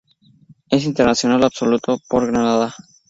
Es internacional absoluto por Granada.